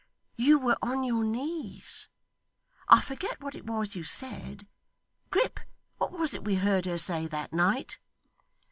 You were on your knees. I forget what it was you said. Grip, what was it we heard her say that night?